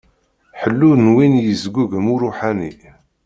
Ḥellu n win i yesgugem uṛuḥani.